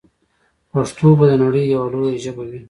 پښتو به د نړۍ یوه لویه ژبه وي.